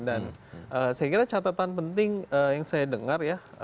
dan saya kira catatan penting yang saya dengar ya